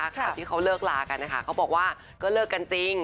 ข่าวที่เขาเลิกลากันนะคะเขาบอกว่าก็เลิกกันจริง